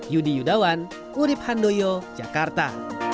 yudi yudawan urib handoyo jakarta